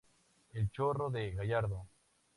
El chorro de Gallardo.